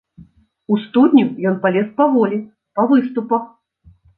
У студню ён палез паволі, па выступах.